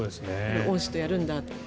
恩師とやるんだって。